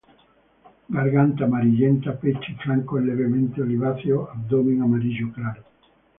Garganta amarillenta, pecho y flancos levemente oliváceos, abdomen amarillo claro.